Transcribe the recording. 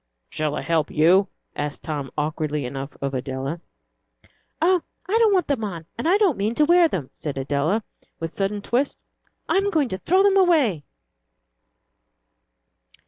"Shall I help you?" asked Tom, awkwardly enough, of Adela. "Oh, I don't want them on, and I don't mean to wear them," said Adela, with a sudden twist. "I'm going to throw them away."